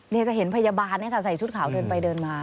นี่จะเห็นพยาบาลใส่ชุดขาวเดินไปเดินมา